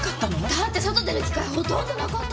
だって外出る機会ほとんどなかったもん。